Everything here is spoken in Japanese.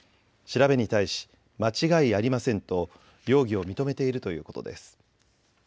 調べに対し間違いありませんと容疑を認めているということです。